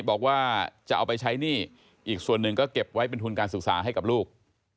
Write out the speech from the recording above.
บอกว่าจะเอาไปใช้หนี้อีกส่วนหนึ่งก็เก็บไว้เป็นทุนการศึกษาให้กับลูก